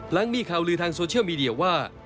หลังมีข่าวลือทางโซเชียลมีเดียว่า